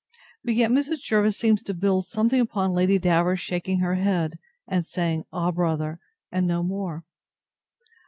But yet Mrs. Jervis seemed to build something upon Lady Davers's shaking her head, and saying, Ah! brother! and no more.